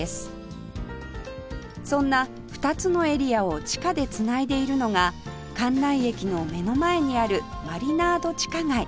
そんな２つのエリアを地下で繋いでいるのが関内駅の目の前にあるマリナード地下街